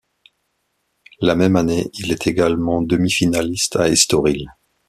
La même année, il est également demi-finaliste à Estoril.